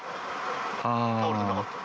倒れてなかった。